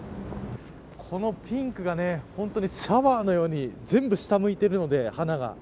このピンクが本当にシャワーのように全部下向いてるので花が。